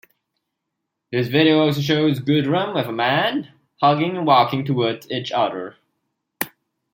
This video also shows Goodrem with a man, hugging and walking towards each other.